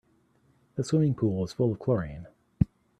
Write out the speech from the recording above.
The swimming pool was full of chlorine.